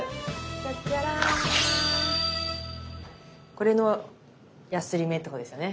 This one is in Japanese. これのやすり目ってことですよね？